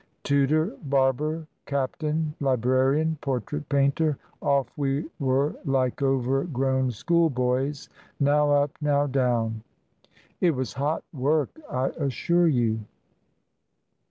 Tutor, barber, captain, librarian, portrait painter — off we were like overgrown school boys, now up, now down. It was hot work, I assure you.